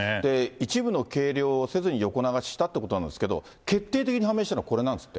一部の計量をせずに横流ししたということなんですけど、決定的に判明したのは、これなんですって。